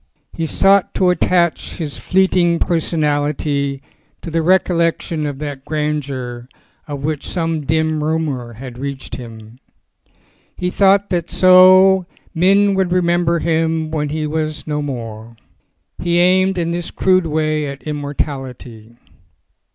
So he sought to attach his fleeting personality to the recollection of that grandeur of which some dim rumour had reached him. He thought that so men would remember him when he was no more. He aimed in this crude way at immortality.